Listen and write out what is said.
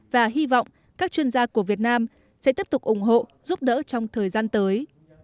và hy vọng các chuyên gia của việt nam sẽ tiếp tục ủng hộ giúp đỡ trong thời gian tới